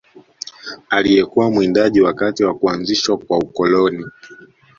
Aliyekuwa mwindaji wakati wa kuanzishwa kwa ukoloni